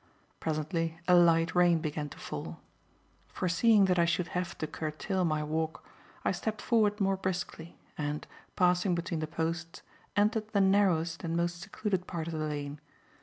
Presently a light rain began to fall. Foreseeing that I should have to curtail my walk, I stepped forward more briskly, and, passing between the posts, entered the narrowest and most secluded part of the lane.